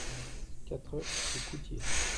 quatre rue Coutié